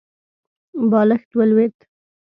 بالښت ولوېد.